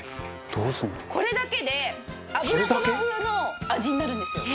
これだけで油そば風の味になるんですよ。